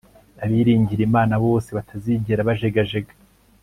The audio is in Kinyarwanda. abiringira imana bose batazigera bajegajega